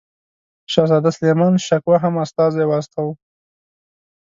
شهزاده سلیمان شکوه هم استازی واستاوه.